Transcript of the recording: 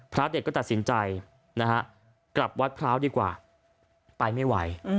พระเด็กก็ตัดสินใจนะฮะกลับวัดพร้าวดีกว่าไปไม่ไหว